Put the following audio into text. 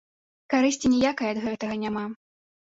Карысці ніякай ад гэтага няма.